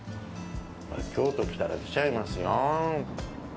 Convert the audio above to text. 京都来たら来ちゃいますよ。